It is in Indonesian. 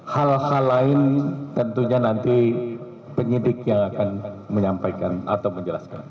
hal hal lain tentunya nanti penyidik yang akan menyampaikan atau menjelaskan